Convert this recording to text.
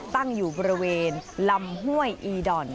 ตั้งอยู่บริเวณลำห้วยอีด่อน